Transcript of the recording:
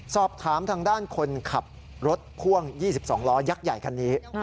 สอบถามทางด้านคนขับรถพ่วง๒๒ล้อยักษ์ใหญ่คันนี้